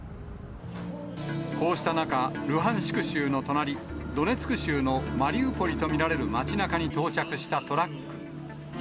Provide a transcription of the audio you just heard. こうした中、ルハンシク州の隣、ドネツク州のマリウポリと見られる町なかに到着したトラック。